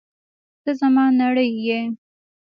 ته زما نړۍ یې!